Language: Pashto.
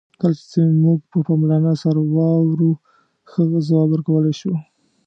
کله چې موږ په پاملرنه سره واورو، ښه ځواب ورکولای شو.